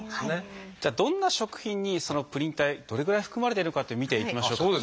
じゃあどんな食品にそのプリン体どれぐらい含まれてるかって見ていきましょうか。